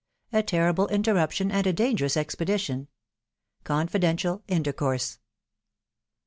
—A TERRIBLE INTERRUPTION, AND A DANGEROUS EXPEDITION.— CONFIDENTIAL INTERCOURSE.